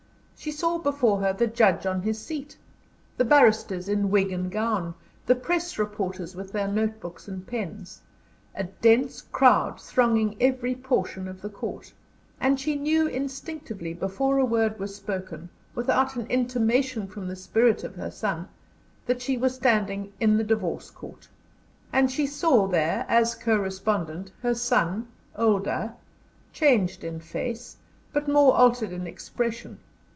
She saw before her the judge on his seat, the barristers in wig and gown, the press reporters with their notebooks and pens, a dense crowd thronging every portion of the court. And she knew instinctively, before a word was spoken, without an intimation from the spirit of her son, that she was standing in the Divorce Court. And she saw there as co respondent her son, older, changed in face, but more altered in expression.